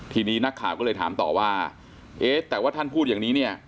ทีนี้นักข่าวก็เลยถามต่อว่าเอ๊ะแต่ว่าท่านพูดอย่างนี้เนี่ย